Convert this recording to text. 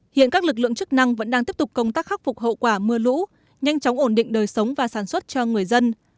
hiện các lực lượng chức năng vẫn đang tiếp tục công tác khắc phục hậu quả mưa lũ nhanh chóng ổn định đời sống và sản xuất cho người dân